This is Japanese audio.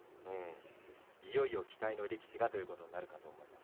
いよいよ期待の力士ということになると思います。